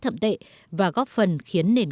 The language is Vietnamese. thậm tệ và góp phần khiến nền